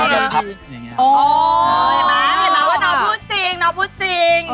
อย่างนี้ครับอ๋อใช่ไหมน้องพูดจริง